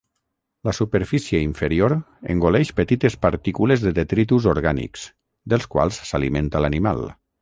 La superfície inferior engoleix petites partícules de detritus orgànics, dels quals s'alimenta l'animal.